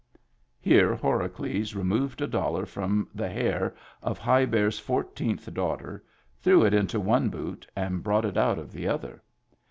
Here Horacles removed a dollar from the hair of High Bear's fourteenth daughter, threw it into one boot, and brought it out of the other.